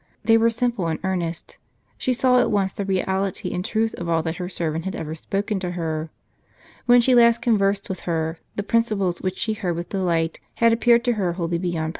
They were simple and earnest. She saw at once the reality and truth of all that her servant had ever spoken to her. When she last con versed with her, the principles which she heard with delight, had appeared to her wholly beyond